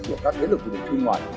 của các thế lực của những kinh hoàng